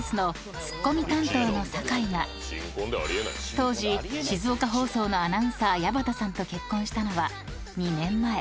［当時静岡放送のアナウンサー矢端さんと結婚したのは２年前］